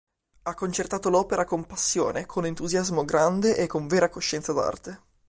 Ha concertato l'opera con passione, con entusiasmo grande e con vera coscienza d'arte.